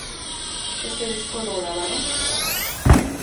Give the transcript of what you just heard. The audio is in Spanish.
Este disco lo grabaron.